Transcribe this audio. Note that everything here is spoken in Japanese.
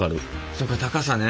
そうか高さね。